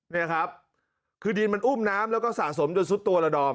นี่ครับคือดินมันอุ้มน้ำแล้วก็สะสมจนสุดตัวละดอม